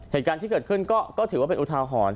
เหตุการณ์ที่เกิดขึ้นก็ถือว่าเป็น๐๑